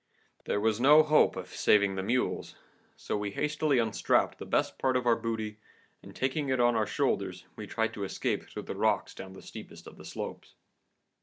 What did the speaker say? There was no hope of saving the mules, so we hastily unstrapped the best part of our booty, and taking it on our shoulders, we tried to escape through the rocks down the steepest of the slopes.